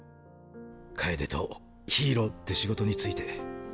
楓とヒーローって仕事について。